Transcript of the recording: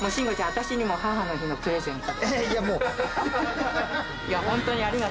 私にも母の日のプレゼント。